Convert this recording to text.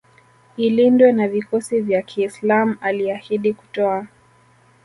ilindwe na vikosi vya kiislam Aliahidi kutoa